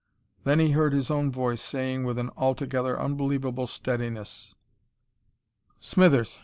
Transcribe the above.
Then he heard his own voice saying with an altogether unbelievable steadiness: "Smithers!